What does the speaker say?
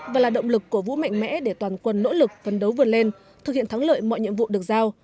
và là động lực cổ vũ mạnh mẽ để toàn quân nỗ lực phân đấu vượt lên thực hiện thắng lợi mọi nhiệm vụ được giao